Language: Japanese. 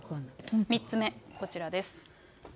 ３つ目、こちらです。